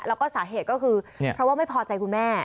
แล้วก็สาเหตุก็คือเพราะว่าไม่พอใจคุณแม่